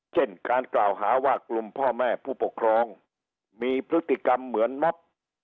เช่นการกล่าวหาว่ากลุ่มพ่อแม่ผู้ปกครองมีพฤติกรรมเหมือนม็อบ